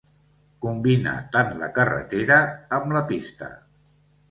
Combina tant la carretera amb la pista.